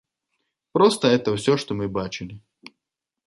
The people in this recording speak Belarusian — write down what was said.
Проста гэта ўсё, што мы бачылі.